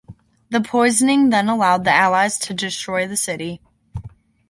The poisoning then allowed the allies to destroy the city.